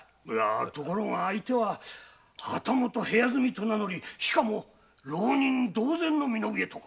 ところが相手は旗本部屋住みと名乗りしかも浪人同然の身の上とか。